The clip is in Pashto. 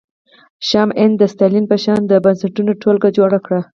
شیام عین د ستالین په شان د بنسټونو ټولګه جوړه کړه